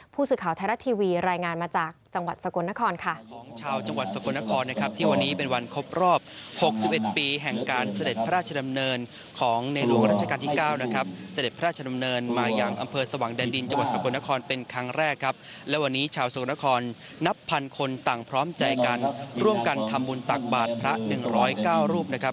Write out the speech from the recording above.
ผู้สื่อข่าวไทยรัฐทีวีรายงานมาจากจังหวัดสกลนครค่ะ